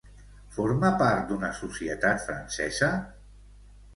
Forma part d'una societat francesa?